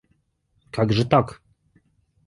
Как же так?